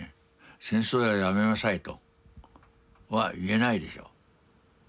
戦争はやめなさいとは言えないでしょう。